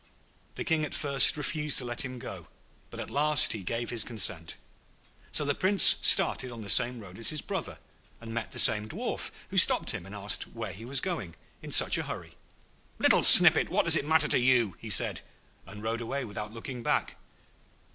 The King at first refused to let him go, but at last he gave his consent. So the Prince started on the same road as his brother, and met the same Dwarf, who stopped him and asked where he was going in such a hurry. 'Little Snippet, what does it matter to you?' he said, and rode away without looking back.